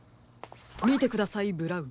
みてくださいブラウン。